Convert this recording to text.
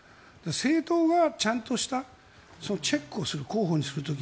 政党がちゃんとチェックをする候補にする時。